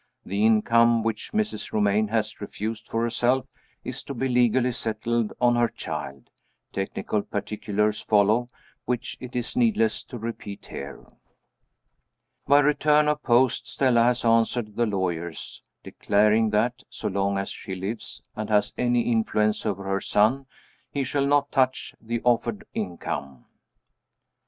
The income which Mrs. Romayne has refused for herself is to be legally settled on her child. Technical particulars follow, which it is needless to repeat here. By return of post, Stella has answered the lawyers, declaring that, so long as she lives, and has any influence over her son, he shall not touch the offered income.